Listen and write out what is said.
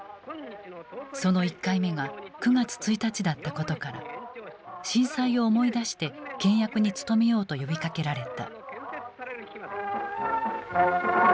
その１回目が９月１日だったことから震災を思い出して倹約に努めようと呼びかけられた。